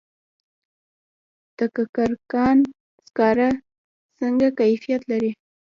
د کرکر کان سکاره څنګه کیفیت لري؟